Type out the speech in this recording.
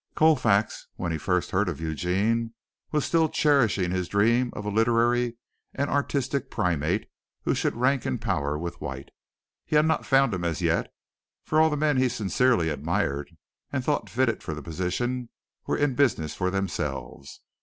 Colfax, when he first heard of Eugene, was still cherishing his dream of a literary and artistic primate who should rank in power with White. He had not found him as yet, for all the men he sincerely admired and thought fitted for the position were in business for themselves.